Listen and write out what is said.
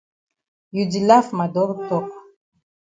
You di laf ma dull tok.